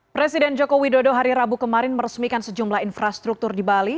presiden joko widodo hari rabu kemarin meresmikan sejumlah infrastruktur di bali